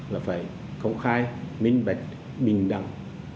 là phải công khai minh bạch bình đẳng